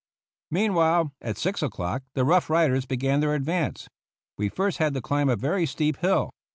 Meanwhile, at six o'clock, the Rough Riders began their advance. We first had to climb a very steep hill.